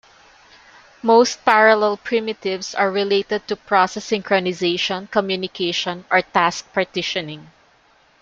Most parallel primitives are related to process synchronization, communication or task partitioning.